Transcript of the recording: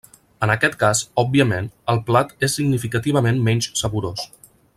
En aquest cas, òbviament, el plat és significativament menys saborós.